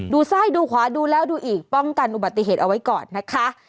ดูซ้ายดูขวาดูแล้วดูอีกป้องกันอุบัติเหตุเอาไว้ก่อนนะคะ